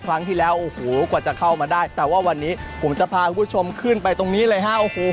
ครั้งที่แล้วโอ้โหกว่าจะเข้ามาได้แต่ว่าวันนี้ผมจะพาคุณผู้ชมขึ้นไปตรงนี้เลยฮะโอ้โห